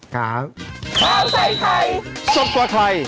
ขาว